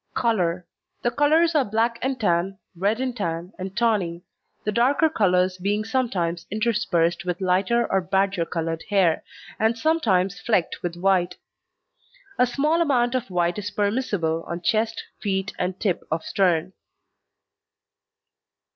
COLOUR The colours are black and tan, red and tan, and tawny the darker colours being sometimes interspersed with lighter or badger coloured hair and sometimes flecked with white. A small amount of white is permissible on chest, feet, and tip of stern.